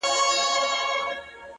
په ياد کي ساته د حساب او د کتاب وخت ته،